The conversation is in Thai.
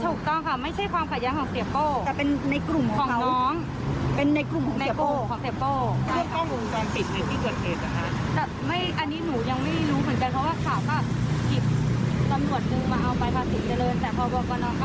ใช่ถูกต้อยไม่ใช่ความขัดแย้งเสียโป้แต่เป็นในกลุ่มเสียโป้